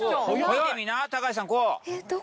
見てみな高橋さん。